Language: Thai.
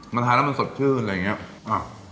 มันทานแล้วมันสดชื่นอะไรอย่างนี้